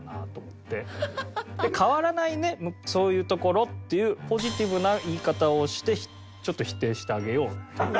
で「変わらないねそういうところ」っていうポジティブな言い方をしてちょっと否定してあげようという。